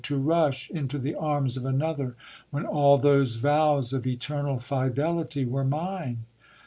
to rush into the arms of another, when all those vows of eternal fidelity were mine.